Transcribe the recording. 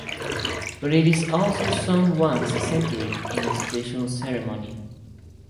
But it is also sung once a century, in a special ceremony.